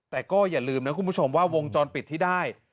แต่ก็อย่าลืมนะคุณผู้ชมว่าวงจรปิดที่ได้